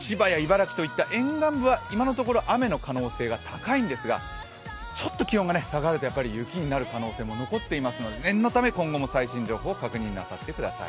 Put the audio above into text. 千葉や茨城といった沿岸部は今のところ雨の可能性が高いんですがちょっと気温が下がると雪になる可能性も残っていますので念のため、今後も最新情報を確認なさってください。